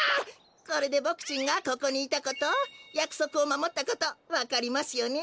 これでボクちんがここにいたことやくそくをまもったことわかりますよね。